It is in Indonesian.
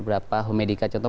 berapa medika contoh